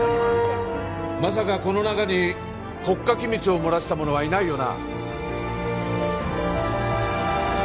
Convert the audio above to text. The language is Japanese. まさかこの中に国家機密を漏らした者はいないよな